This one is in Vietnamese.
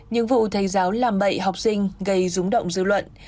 những vụ thầy giáo làm bậy học sinh gây rúng động dư luận